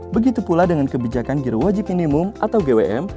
begitu pula dengan kebijakan giro wajib minimum atau gwm